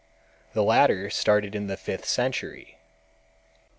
The latter started in the fifth century.